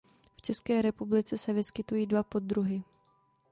V České republice se vyskytují dva poddruhy.